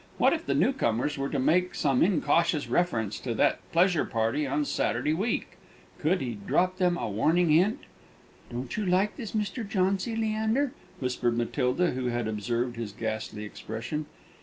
What if the new comers were to make some incautious reference to that pleasure party on Saturday week? Could he drop them a warning hint? "Don't you like this Mr. Jauncy, Leander?" whispered Matilda, who had observed his ghastly expression.